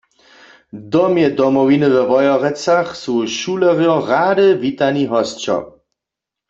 W Domje Domowiny we Wojerecach su šulerjo rady witani hosćo.